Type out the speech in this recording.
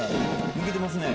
むけてますね。